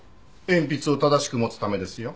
鉛筆を正しく持つためですよ。